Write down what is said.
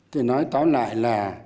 thì nói tóm lại là